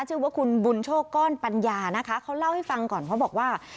ชื่อว่าคุณบุญโชคก้อนปัญญานะคะเขาเล่าให้ฟังก่อนเขาบอกว่า